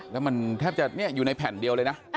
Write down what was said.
แล้วมันแทบจะอยู่ในแผ่นเดียวเลยนะ